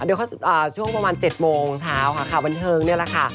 เดี๋ยวเขาช่วงประมาณ๗โมงเช้าค่ะข่าวบันเทิงนี่แหละค่ะ